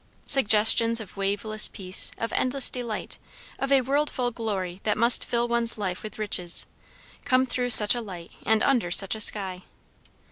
Suggestions of waveless peace, of endless delight, of a world full glory that must fill one's life with riches, come through such a light and under such a sky.